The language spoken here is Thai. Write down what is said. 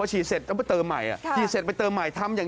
ฉีดเสร็จแล้วไปเติมใหม่